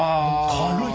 軽い。